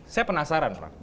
saya penasaran prof